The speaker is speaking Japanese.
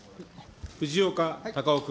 藤岡隆雄君。